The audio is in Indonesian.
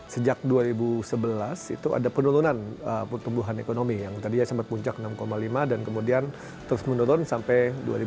sejak dua ribu sebelas itu ada penurunan pertumbuhan ekonomi yang tadinya sempat puncak enam lima dan kemudian terus menurun sampai dua ribu tujuh belas